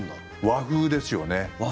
和風ですよね。